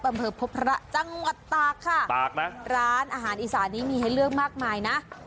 อำเภอพบพระจังหวัดตากค่ะตากนะร้านอาหารอีสานนี้มีให้เลือกมากมายนะ